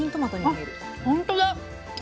あほんとだ。